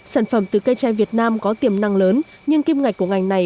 sản phẩm từ cây tre việt nam có tiềm năng lớn nhưng kim ngạch của ngành này